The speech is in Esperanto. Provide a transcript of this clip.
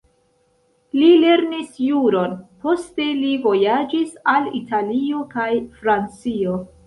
Li lernis juron, poste li vojaĝis al Italio kaj Francio.